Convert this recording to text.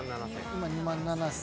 今２万７，０００。